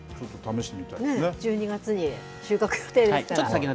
１２月に収穫予定ですから。